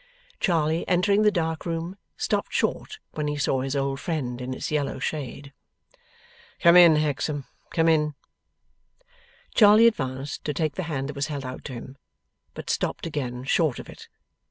Charley, entering the dark room, stopped short when he saw his old friend in its yellow shade. 'Come in, Hexam, come in.' Charley advanced to take the hand that was held out to him; but stopped again, short of it.